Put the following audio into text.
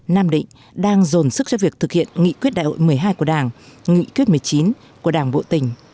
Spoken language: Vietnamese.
nam định đang dồn sức cho việc thực hiện nghị quyết đại hội một mươi hai của đảng nghị quyết một mươi chín của đảng bộ tỉnh